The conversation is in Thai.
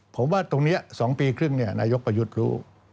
ผมว่าตรงนี้๒ปีครึ่งนายกประยุทธ์รู้